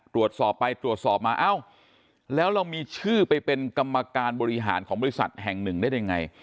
ตรวจสอบไปตรวจสอบมาเอ้าแล้วเรามีชื่อไปเป็นกรรมการบริหารของบริษัทแห่งหนึ่งได้ยังไง